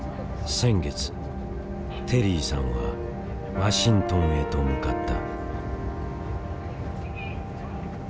先月テリーさんはワシントンへと向かった。